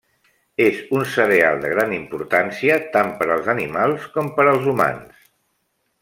És un cereal de gran importància tant per als animals com per als humans.